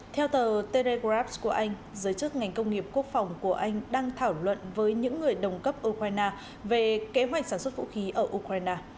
theo tờ tegraps của anh giới chức ngành công nghiệp quốc phòng của anh đang thảo luận với những người đồng cấp ukraine về kế hoạch sản xuất vũ khí ở ukraine